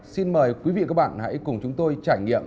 xin mời quý vị và các bạn hãy cùng chúng tôi trải nghiệm